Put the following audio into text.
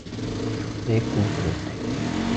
西高東低